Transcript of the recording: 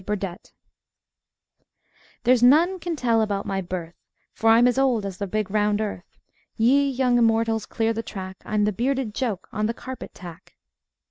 BURDETTE "'There's none can tell about my birth For I'm as old as the big round earth; Ye young Immortals clear the track, I'm the bearded Joke on the Carpet tack."